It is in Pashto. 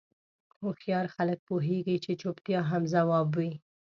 هوښیار خلک پوهېږي چې چوپتیا هم ځواب وي.